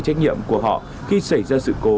trách nhiệm của họ khi xảy ra sự cố